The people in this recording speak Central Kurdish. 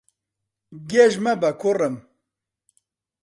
گێژ مەبە، کوڕم.